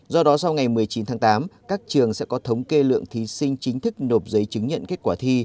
do đó sau ngày một mươi chín tháng tám các trường sẽ có thống kê lượng thí sinh chính thức nộp giấy chứng nhận kết quả thi